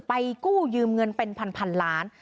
ไปกู้เงินเป็นพันล้าน